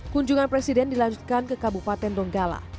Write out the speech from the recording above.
kunjungan presiden dilanjutkan ke kabupaten donggala